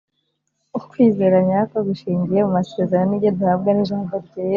. Kwizera nyako gushingiye mu masezerano n’ibyo duhabwa n’ijambo ryera.